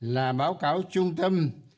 là báo cáo trung tâm